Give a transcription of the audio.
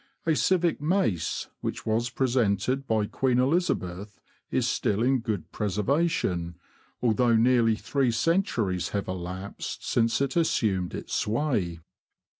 A civic mace, which was presented by Queen Elizabeth, is still in good preservation, although nearly three centuries have elapsed since it assumed its sway.